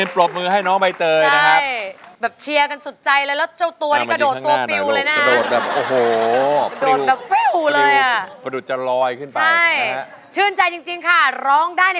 พร้อมใจพร้อมใจพร้อมใจพร้อมใจพร้อมใจ